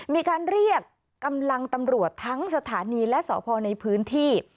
มีการเรียกกำลังตำรวจทั้งสถานีและสพในพื้นที่